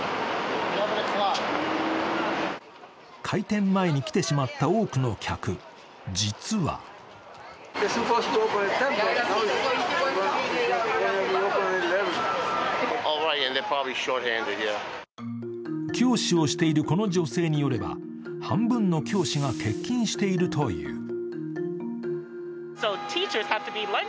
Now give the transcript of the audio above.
開店前に来てしまった多くの客、実は教師をしているこの女性によれば、半分の教師が欠勤しているという。